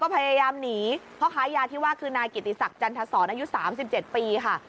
พยายามหนีพ่อค้ายาที่ว่าคือนายกิติศักดิ์จันทศรอายุ๓๗ปีค่ะ